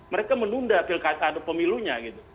mereka menunda pilkada atau pemilunya gitu